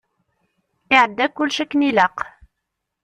Iɛedda kullec akken ilaq.